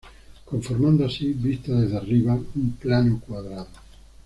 Conformando así, vista desde arriba, un plano cuadrado.